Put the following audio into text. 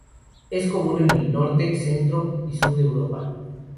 Es común en el norte, centro y sur de Europa.